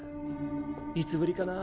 いつぶりかな？